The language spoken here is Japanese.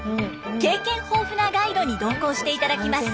経験豊富なガイドに同行して頂きます。